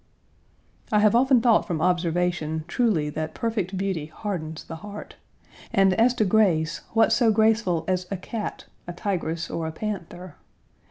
I have often thought from observation truly that perfect beauty hardens the heart, and as to grace, what so graceful as a cat, a tigress, or a panther.